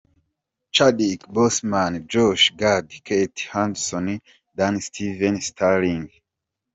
Chadwick Boseman, Josh Gad, Kate Hudson, Dan Stevens, Sterling K.